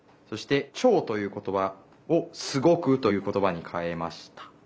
そして「ちょう」ということばを「すごく」ということばにかえました。